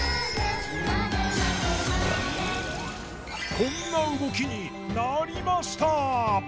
こんな動きになりました！